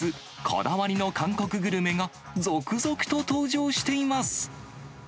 こだわりの韓国グルメが続々と登場しています。